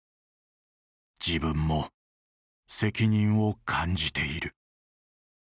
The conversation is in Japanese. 自分も責任を感じている。